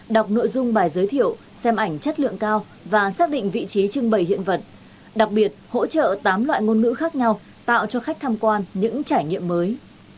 đọc nội dung bài giới thiệu xem ảnh chất lượng cao và xác định vị trí trưng bày hiện vật đặc biệt hỗ trợ tám loại ngôn ngữ khác nhau tạo cho khách tham quan những trải nghiệm mới